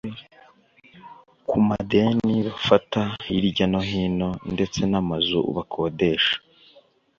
ku madeni bafata hirya no hino ndetse n’amazu bakodesha